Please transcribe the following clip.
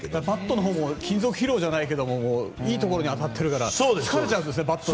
バットのほうも金属疲労じゃないけどいいところに当たってるから折れちゃうんですね。